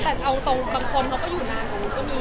แต่เอาตรงบางคนเขาก็อยู่นานกว่านู้นก็มี